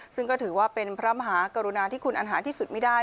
ซึ่งก็ถือว่าเป็นพระมหากรุณาที่คุณอันหาที่สุดไม่ได้